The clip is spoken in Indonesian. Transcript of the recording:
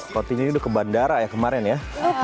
rotinya ini udah ke bandara ya kemarin ya